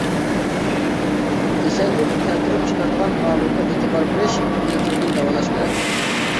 كېسەللىك كەلتۈرۈپ چىقىرىدىغان ئامىلغا ئېتىبار بېرىش، يىلتىزىدىن داۋالاش كېرەك.